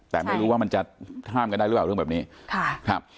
แต่ไม่รู้ว่ามันจะห้ามกันได้หรือเปล่าเรื่องแบบนี้ค่ะครับ